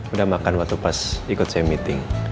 udah makan waktu pas ikut saya meeting